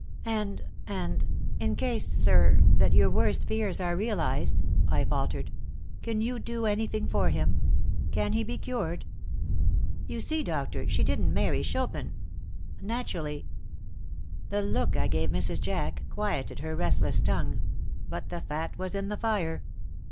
"And and in case, sir, that your worst fears are realized," I faltered, "can you do anything for him? Can he be cured?" "You see, doctor, she didn't marry Chopin. Naturally " The look that I gave Mrs. Jack quieted her restless tongue. But the fat was in the fire.